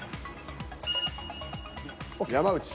山内。